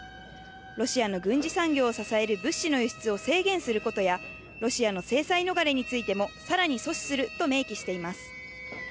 ロシアの軍事産業を支える物資の輸出を制限することや、ロシアの制裁逃れについても、さらに阻止すると明記しています。